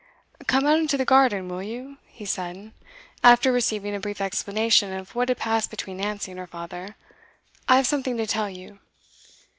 'Come out into the garden, will you?' he said, after receiving a brief explanation of what had passed between Nancy and her father. 'I've something to tell you.